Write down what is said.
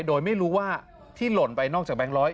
โดยไม่รู้ว่าที่หล่นไปนอกจากแบงค์ร้อย